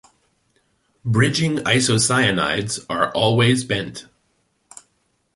Bridging isocyanides are always bent.